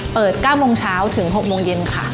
๙โมงเช้าถึง๖โมงเย็นค่ะ